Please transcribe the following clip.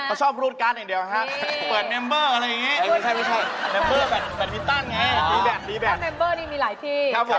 พ่อผู้ค่ากินเวลาไปนานมากแล้ว